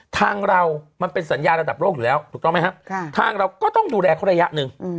ทางเรามันเป็นสัญญาระดับโลกอยู่แล้วถูกต้องไหมครับทางเราก็ต้องดูแลเขาระยะหนึ่ง